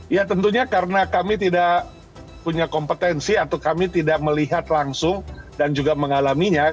ya tentunya karena kami tidak punya kompetensi atau kami tidak melihat langsung dan juga mengalaminya